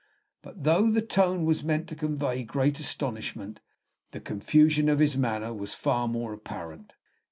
But though the tone was meant to convey great astonishment, the confusion of his manner was far more apparent.